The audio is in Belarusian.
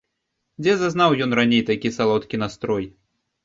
Дзе зазнаў ён раней такі салодкі настрой?